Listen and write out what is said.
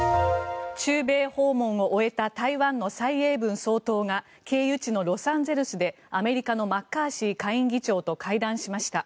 中米訪問を終えた台湾の蔡英文総統が経由地のロサンゼルスでアメリカのマッカーシー下院議長と会談しました。